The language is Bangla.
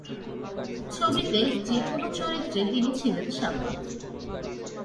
ছবিতে যেকোনো চরিত্রে তিনি ছিলেন সাবলীল।